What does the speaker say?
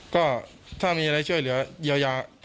ก็ถ้ามีอะไรช่วยเหลือเยียวยา